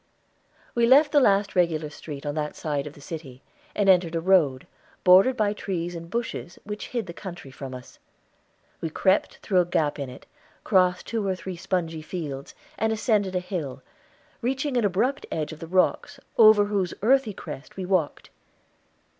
We left the last regular street on that side of the city, and entered a road, bordered by trees and bushes, which hid the country from us. We crept through a gap in it, crossed two or three spongy fields, and ascended a hill, reaching an abrupt edge of the rocks, over whose earthy crest we walked.